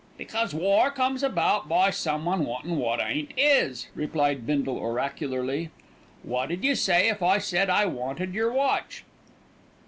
"Because war comes about by someone wantin' wot ain't 'is," replied Bindle oracularly. "Wot 'ud you say if I said I wanted yer watch?"